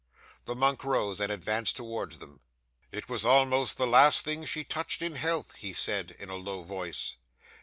'The monk rose and advanced towards them. "It was almost the last thing she touched in health," he said in a low voice.